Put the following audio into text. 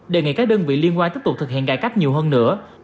đề nghị các đơn vị liên quan tiếp tục thực hiện cải cách nhiều hơn nữa